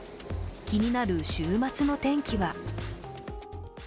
気になる週末の天気は？